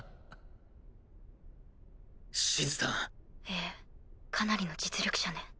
ええかなりの実力者ね。